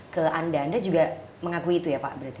ke anda anda juga mengakui itu ya pak berarti